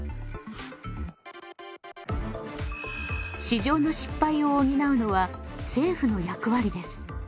市場の失敗を補うのは政府の役割です。